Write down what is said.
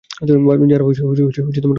যারা কোয়ালিস্ট নয়।